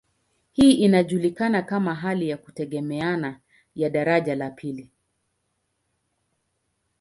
Hii inajulikana kama hali ya kutegemeana ya daraja la pili.